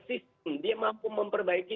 system dia mampu memperbaiki